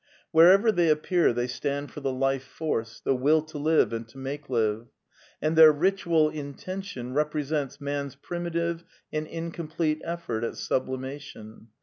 Wherever they appear they stand for the Life Force, the Will to live and to make live ; and their ritual intention represents man's ^ primitive and incomplete effort at sublimation.